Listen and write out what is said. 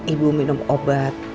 ibu minum obat